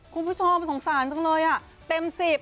คุณผู้ชมสงสารจังเลยอ่ะเต็ม๑๐